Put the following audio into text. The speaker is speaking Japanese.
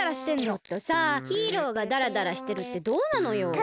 ちょっとさあヒーローがだらだらしてるってどうなのよ？